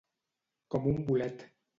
Com un bolet.